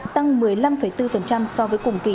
tăng một mươi năm bốn so với cùng kỳ